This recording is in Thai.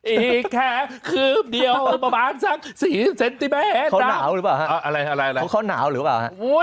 อีกแค่คืบเดียวประมาณสัก๔๐เซนติเมตรเข้าหนาวหรือเปล่าฮะ